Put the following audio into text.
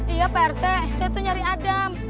iya pak rete saya tuh nyari adam